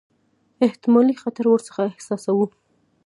احتمالي خطر ورڅخه احساساوه.